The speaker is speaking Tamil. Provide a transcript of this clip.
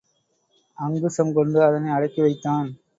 அங்குசம் கொண்டு அதனை அடக்கி வைத்தான்.